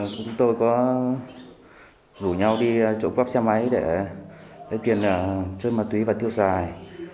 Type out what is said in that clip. chúng tôi có rủ nhau đi trộm cắp xe máy để lấy tiền chơi mặt túy và thiêu xài